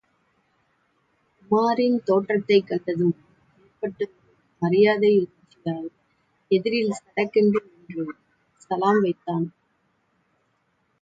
உமாரின் தோற்றத்தைக் கண்டதும் ஏற்பட்ட ஒரு மரியாதையுணர்ச்சியால் எதிரில் சடக்கென்று நின்று சலாம் வைத்தான்.